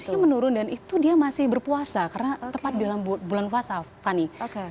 kasusnya menurun dan itu dia masih berpuasa karena tepat di dalam bulan puasa fani